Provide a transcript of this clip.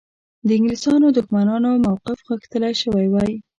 د انګلیسیانو دښمنانو موقف غښتلی شوی وای.